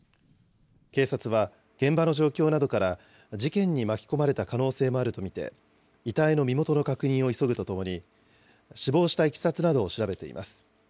警察は、現場の状況などから事件に巻き込まれた可能性もあると見て、遺体の身元の確認を急ぐとともに、死亡したいきさつなどを調べています。